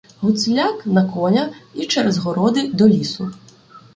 Гуцуляк — на коня і через городи до лісу.